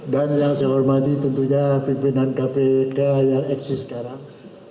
dan yang saya hormati tentunya pimpinan kpk yang eksis sekarang